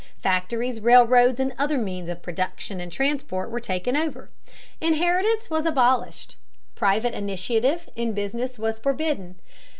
Factories, railroads, and other means of production and transport were taken over. Inheritance was abolished. Private initiative in business was forbidden.